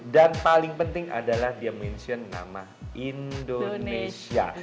dan paling penting adalah dia mention nama indonesia